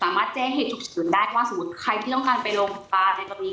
สามารถแจ้งเทศชุดฉืนได้ว่าสมมุติใครที่ต้องการไปโรงพยาบาลในตอนนี้